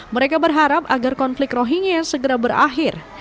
mereka berharap agar konflik rohingya segera berakhir